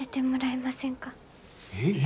え。